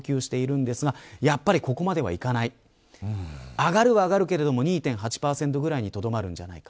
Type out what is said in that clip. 上がるは上がるけど２．８％ぐらいにとどまるんじゃないか。